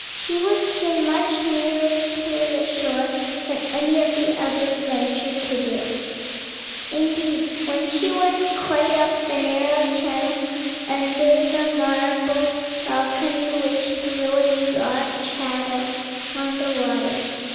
She would swim much nearer the shore than any of the others ventured to do; indeed once she went quite up the narrow channel under the marble balcony, which threw a broad shadow on the water.